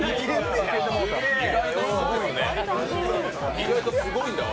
意外とすごいんだわ。